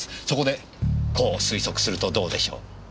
そこでこう推測するとどうでしょう。